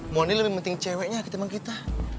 mon ini lebih penting ceweknya ketimbang kita